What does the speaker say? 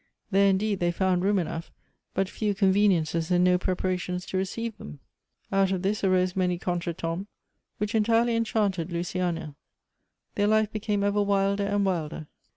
There indeed they found room enough, but few conven iences and no preparations to receive them. Out of this arose many contretemps, which entirely enchanted Luciana; their life became ever wilder and wildtr.